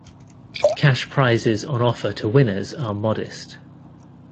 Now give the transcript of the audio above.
Cash prizes on offer to winners are modest.